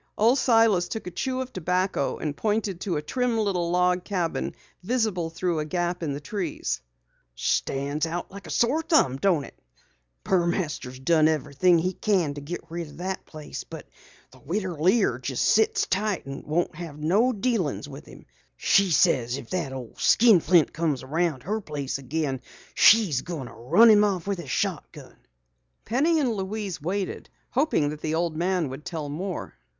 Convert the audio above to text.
Old Silas took a chew of tobacco and pointed to a trim little log cabin visible through a gap in the trees. "Stands out like a sore thumb, don't it? Burmaster's done everything he can to git rid o' that place, but the Widder Lear jes' sits tight an' won't have no dealings with him. Says that if the old skinflint comes round her place again she's goin' to drive him off with a shotgun." Penny and Louise waited, hoping that the old man would tell more.